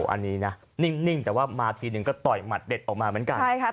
อันนี้นะนิ่งแต่ว่ามาทีนึงก็ต่อยหมัดเด็ดออกมาเหมือนกันใช่ครับ